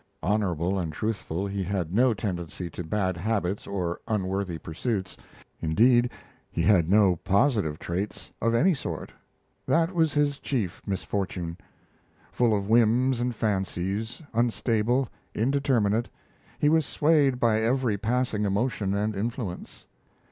Honorable and truthful, he had no tendency to bad habits or unworthy pursuits; indeed, he had no positive traits of any sort. That was his chief misfortune. Full of whims and fancies, unstable, indeterminate, he was swayed by every passing emotion and influence.